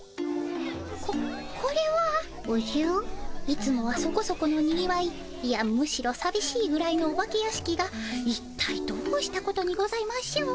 いつもはそこそこのにぎわいいやむしろさびしいぐらいのお化け屋敷がいったいどうしたことにございましょう？